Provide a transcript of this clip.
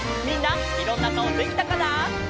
みんないろんなかおできたかな？